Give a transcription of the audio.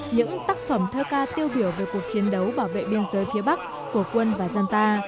những tác phẩm thơ ca tiêu biểu về cuộc chiến đấu bảo vệ biên giới phía bắc của quân và dân ta